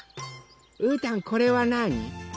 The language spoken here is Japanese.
うーたんこれはなに？